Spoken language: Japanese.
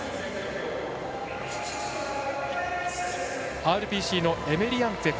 ＲＰＣのエメリアンツェフ。